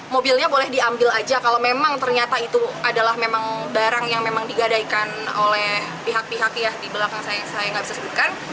mobilnya boleh diambil aja kalau memang ternyata itu adalah memang barang yang memang digadaikan oleh pihak pihak ya di belakang saya saya nggak bisa sebutkan